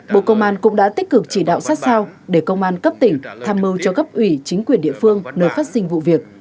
bộ công an cũng đã tích cực chỉ đạo sát sao để công an cấp tỉnh tham mưu cho cấp ủy chính quyền địa phương nơi phát sinh vụ việc